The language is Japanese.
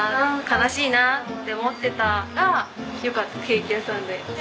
悲しいな」って思ってたらよかったケーキ屋さんで。